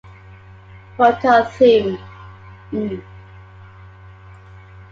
Motto Theme, mm.